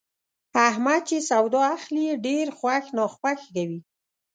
احمد چې سودا اخلي، ډېر خوښ ناخوښ کوي.